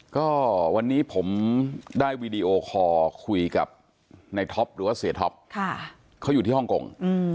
ก็วันนี้ผมได้วีดีโอคอร์คุยกับในท็อปหรือว่าเสียท็อปเขาอยู่ที่ฮ่องกง